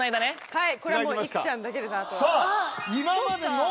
はい。